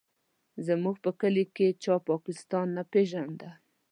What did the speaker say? زموږ په کلي کې چا پاکستان نه پېژانده.